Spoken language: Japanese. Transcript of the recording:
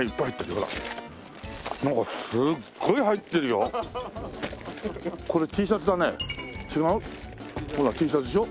ほらＴシャツでしょ。